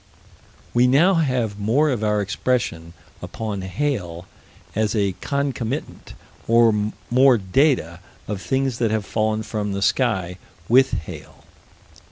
We now have more of our expression upon hail as a concomitant, or more data of things that have fallen from the sky, with hail.